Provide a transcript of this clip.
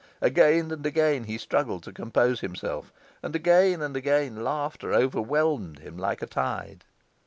Again and again he struggled to compose himself, and again and again laughter overwhelmed him like a tide.